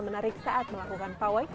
menarik saat melakukan pawai